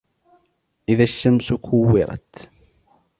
إِذَا الشَّمْسُ كُوِّرَتْ